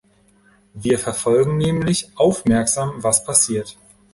Wir verfolgen nämlich aufmerksam, was passiert.